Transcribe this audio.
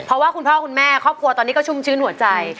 เพราะว่าคุณพ่อคุณแม่ครอบครัวตอนนี้ก็ชุ่มชื้นหัวใจ